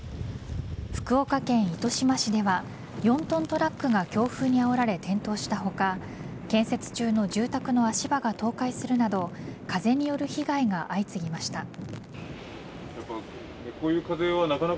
福岡県糸島市では４ｔトラックが強風にあおられ転倒した他建設中の住宅の足場が倒壊するなど風による被害が相次ぎました。